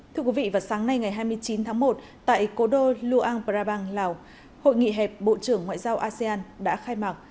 thưa quý vị vào sáng nay ngày hai mươi chín tháng một tại cố đô luang prabang lào hội nghị hẹp bộ trưởng ngoại giao asean đã khai mạc